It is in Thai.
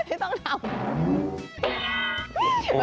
ที่ต้องทำ